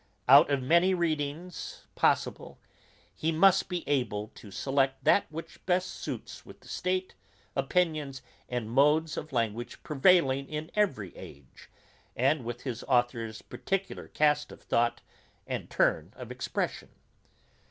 Out of many readings possible, he must be able to select that which best suits with the state, opinions, and modes of language prevailing in every age, and with his authour's particular cast of thought, and turn of expression.